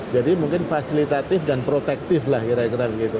jadi mungkin fasilitatif dan protektif lah kira kira gitu